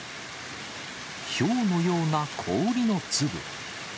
ひょうのような氷の粒。